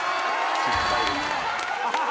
失敗ですね。